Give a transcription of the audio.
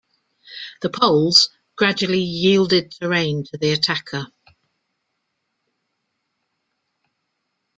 The Poles gradually yielded terrain to the attacker.